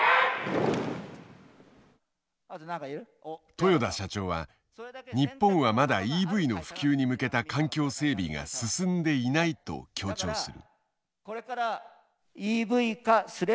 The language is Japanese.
豊田社長は日本はまだＥＶの普及に向けた環境整備が進んでいないと強調する。